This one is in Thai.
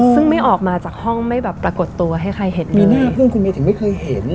ซึ่งไม่ออกมาจากห้องไม่แบบปรากฏตัวให้ใครเห็นมีหน้าเพื่อนคุณเมย์ถึงไม่เคยเห็น